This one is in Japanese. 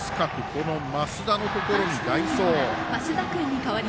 この増田のところに代走。